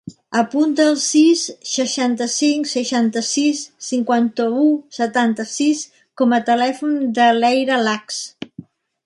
Apunta el sis, seixanta-cinc, seixanta-sis, cinquanta-u, setanta-sis com a telèfon de l'Eira Lax.